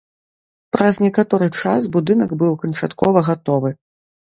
Праз некаторы час будынак быў канчаткова гатовы.